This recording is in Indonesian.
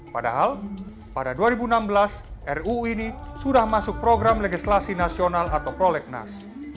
padahal pada dua ribu enam belas ruu ini sudah masuk program legislasi nasional atau prolegnas